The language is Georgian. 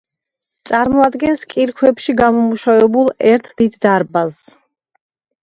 წარმოადგენს კირქვებში გამომუშავებულ ერთ დიდ დარბაზს.